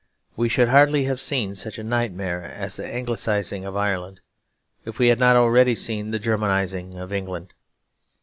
We should hardly have seen such a nightmare as the Anglicising of Ireland if we had not already seen the Germanising of England.